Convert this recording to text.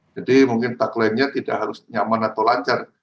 jadi mungkin tagline nya tidak harus nyaman atau lancar